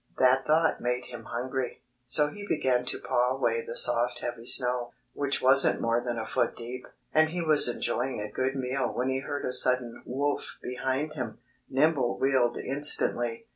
That thought made him hungry. So he began to paw away the soft heavy snow, which wasn't more than a foot deep; and he was enjoying a good meal when he heard a sudden woof behind him. Nimble wheeled instantly.